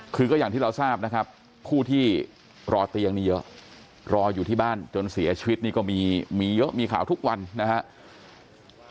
คือก็อย่างที่เราทราบนะครับผู้ที่รอเตียงนี้เยอะรออยู่ที่บ้านจนเสียชีวิตนี่ก็มีเยอะมีข่าวทุกวันนะครับ